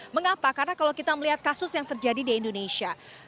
mengapa karena kalau kita melihat kasus yang terjadi di indonesia